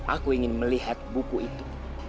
aku ingin melihat buku itu